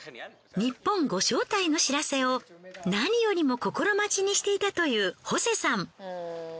ニッポンご招待の知らせを何よりも心待ちにしていたというホセさん。